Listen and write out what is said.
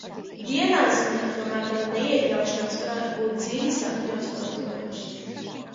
Vienā ziņā tomēr mana neiekļaušanās varētu būt dziļi sakņots mantojums.